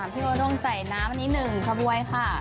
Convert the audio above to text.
พี่โอด้งใจน้ำนิดหนึ่งขบวยค่ะ